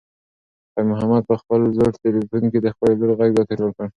خیر محمد په خپل زوړ تلیفون کې د خپلې لور غږ بیا تکرار کړ.